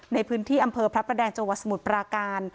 ในพื้นที่อำเภอพระแดงจสมุทรปราการ